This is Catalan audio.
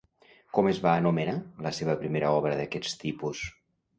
Com es va anomenar la seva primera obra d'aquest tipus?